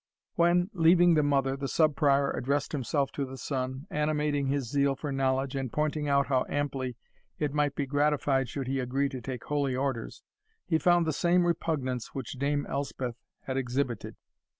When, leaving the mother, the Sub Prior addressed himself to the son, animating his zeal for knowledge, and pointing out how amply it might be gratified should he agree to take holy orders, he found the same repugnance which Dame Elspeth had exhibited.